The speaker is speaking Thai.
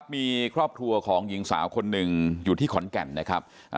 มีครอบครัวของหญิงสาวคนหนึ่งอยู่ที่ขอนแก่นนะครับ